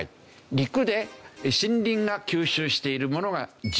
陸で森林が吸収しているものが１９億トン。